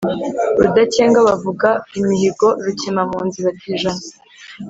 rudakenga bavuga imihigo, rukemampunzi batijana,